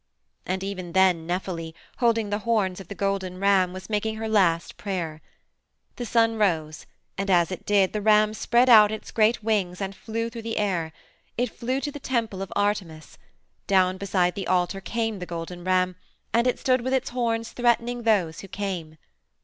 And even then Nephele, holding the horns of the golden ram, was making her last prayer. The sun rose and as it did the ram spread out its great wings and flew through the air. It flew to the temple of Artemis. Down beside the altar came the golden ram, and it stood with its horns threatening those who came.